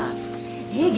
え